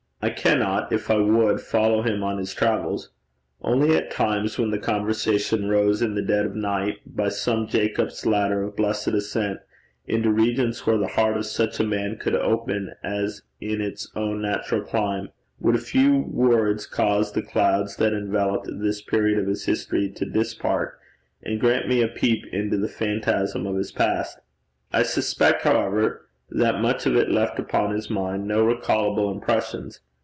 I cannot, if I would, follow him on his travels. Only at times, when the conversation rose in the dead of night, by some Jacob's ladder of blessed ascent, into regions where the heart of such a man could open as in its own natural clime, would a few words cause the clouds that enveloped this period of his history to dispart, and grant me a peep into the phantasm of his past. I suspect, however, that much of it left upon his mind no recallable impressions.